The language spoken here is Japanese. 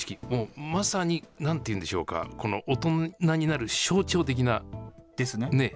もうまさになんていうんでしょうか、この、大人になですね。